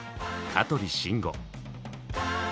香取慎吾。